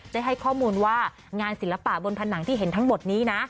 ได้ให้ข้อมูลว่างานศิลปะบนผนังที่เห็นทั้งหมดนี้นะ